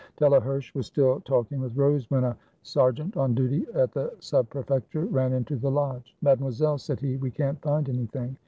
Delaherche was still talking with Rose when a ser geant, on duty at the Sub Prefecture, ran into the lodge: '^ Mademoiselle," said he, *'we can't find anything.